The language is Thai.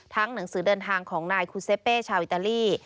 หนังสือเดินทางของนายคูเซเป้ชาวอิตาลี